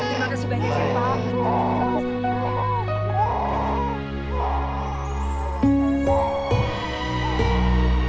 terima kasih banyak pak